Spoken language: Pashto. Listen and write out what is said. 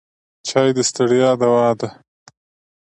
چای د ستړیاوو دوا ده.